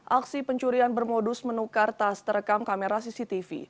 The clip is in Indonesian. aksi pencurian bermodus menukar tas terekam kamera cctv